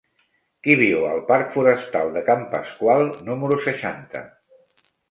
Qui viu al parc Forestal de Can Pasqual número seixanta?